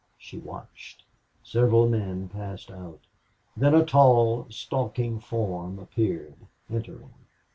She watched. Several men passed out. Then a tall, stalking form appeared, entering.